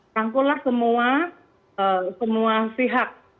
tangkulah semua pihak